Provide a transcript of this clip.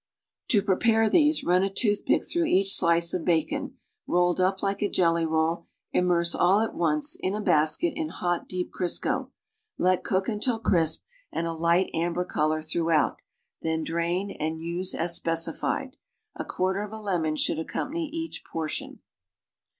To prepare these, run a toothpick through each slice of bacon, rolled up like a jelly roll, immerse all at once (in a basket) in hot deep Crisco. Let cook until crisp and a light amber color throughout, then drain, and use as specified. A quarter of a lemon should accompany each portion.